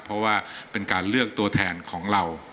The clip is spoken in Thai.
เพราะว่าเป็นการเลือกตัวแทนของเรา